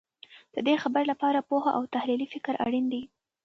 د دې خبر لپاره پوهه او تحلیلي فکر اړین دی.